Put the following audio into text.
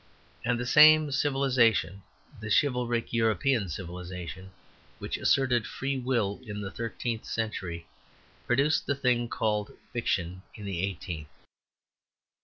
And the same civilization, the chivalric European civilization which asserted freewill in the thirteenth century, produced the thing called "fiction" in the eighteenth.